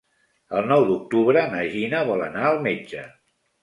El nou d'octubre na Gina vol anar al metge.